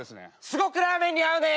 すごくラーメンに合うね！